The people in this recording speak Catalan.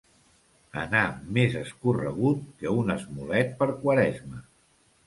Anar més escorregut que un esmolet per Quaresma.